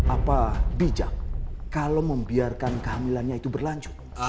apa bijak kalau membiarkan kehamilannya itu berlanjut